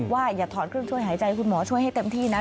อย่าถอดเครื่องช่วยหายใจคุณหมอช่วยให้เต็มที่นะ